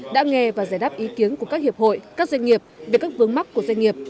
đã nghe và giải đáp ý kiến của các hiệp hội các doanh nghiệp về các vướng mắc của doanh nghiệp